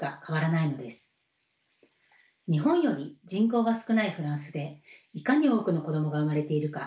日本より人口が少ないフランスでいかに多くの子どもが生まれているか